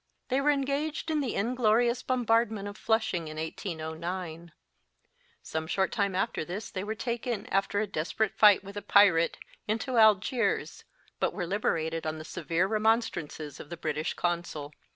They were engaged in the inglorious bombardment of Flushing in 1809. Some short time after this they were taken, after a desperate fight with a pirate, into Algiers, but were liberated on the severe remon strances of the British Consul.